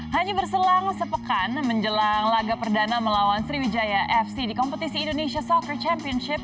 hanya berselang sepekan menjelang laga perdana melawan sriwijaya fc di kompetisi indonesia soccer championship